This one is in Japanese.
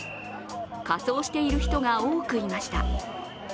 仮装している人が多くいました。